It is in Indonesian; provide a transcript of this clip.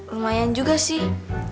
lumayan juga sih